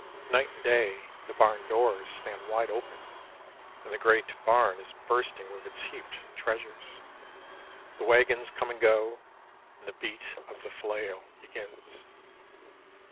Night and day the barn doors stand wide open, and the great barn is bursting with its heaped treasures. The wagons come and go, and the beat of the flail begins.